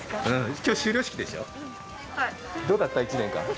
今日修了式でしょどうだった、１年間。